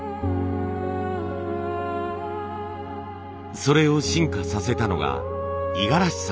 それを進化させたのが五十嵐さんでした。